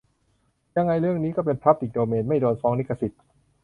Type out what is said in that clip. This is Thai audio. ยังไงเรื่องนี้ก็เป็นพับลิกโดเมน ไม่โดนฟ้องลิขสิทธิ์